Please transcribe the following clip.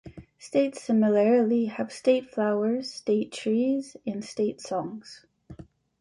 States similarly have state flowers, state trees and state songs.